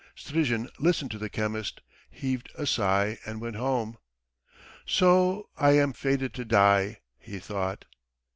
Strizhin listened to the chemist, heaved a sigh, and went home. "So I am fated to die," he thought.